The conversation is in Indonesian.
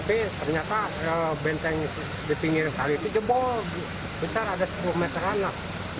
itu jempol kita ada sepuluh meter anak